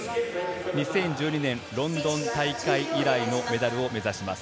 ２０１２年、ロンドン大会以来のメダルを目指します。